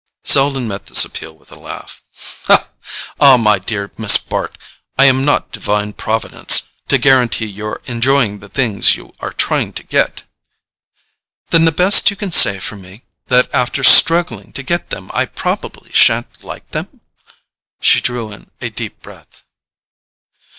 Selden met this appeal with a laugh. "Ah, my dear Miss Bart, I am not divine Providence, to guarantee your enjoying the things you are trying to get!" "Then the best you can say for me is, that after struggling to get them I probably shan't like them?" She drew a deep breath.